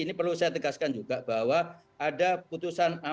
ini perlu saya tegaskan juga bahwa ada putusan